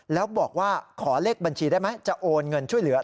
แล้วบอกว่าขอเลขบัญชีได้ไหมจะโอนเงินช่วยเหลือ